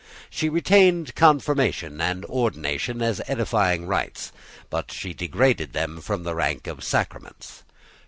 She retained confirmation and ordination as edifying rites; but she degraded them from the rank of sacraments.